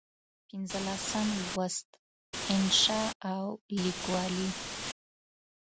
پنځلسم لوست: انشأ او لیکوالي